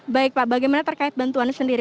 baik pak bagaimana terkait bantuan sendiri